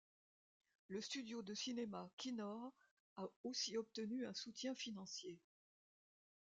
Le studio de cinéma Kinor a aussi obtenu un soutien financier.